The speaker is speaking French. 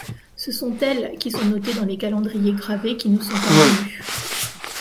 Ce sont elles qui sont notées dans les calendriers gravés qui nous sont parvenus.